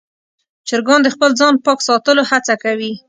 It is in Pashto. چرګان د خپل ځان پاک ساتلو هڅه کوي.